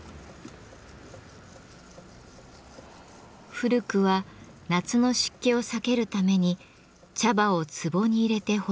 古くは夏の湿気を避けるために茶葉を壺に入れて保存。